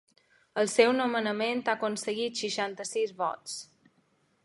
El seu nomenament ha aconseguit seixanta-sis vots.